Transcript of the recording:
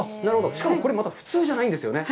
しかもこれまた普通じゃないんですよね。